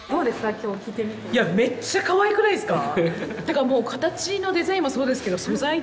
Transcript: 今日着てみていやめっちゃかわいくないっすか？